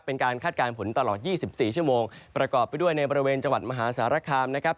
คาดการณ์ผลตลอด๒๔ชั่วโมงประกอบไปด้วยในบริเวณจังหวัดมหาสารคามนะครับ